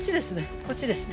こっちですね。